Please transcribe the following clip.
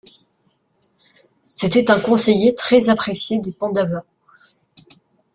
C'était un conseiller très apprécié des Pandavas.